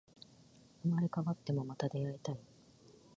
生まれ変わっても、また出会いたい